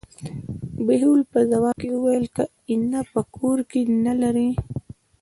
بهلول په ځواب کې وویل: که اېنه په کور کې نه لرې.